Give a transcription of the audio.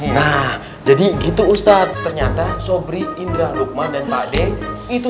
nah jadi gitu ustadz ternyata sobri indra lukman dan pak d itu